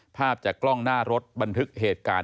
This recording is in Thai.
ภาพจากกล้องหน้ารถบันทึกเหตุการณ์